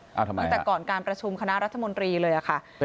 ทำไมครับเป็นอะไรครับมันตั้งแต่ก่อนการประชุมคณะรัฐมนตรีเลยค่ะ